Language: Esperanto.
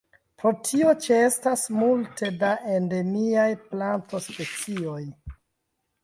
Pro tio ĉeestas multe da endemiaj plantospecioj.